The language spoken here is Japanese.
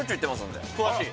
詳しい？